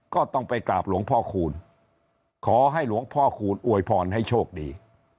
ก็ต้องไปกราบหลวงพ่อคูณขอให้หลวงพ่อคูณอวยพรให้โชคดี